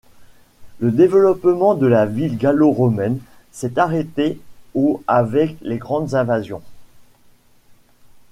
Le développement de la ville gallo-romaine s'est arrêtée au avec les grandes invasions.